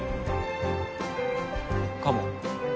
かも。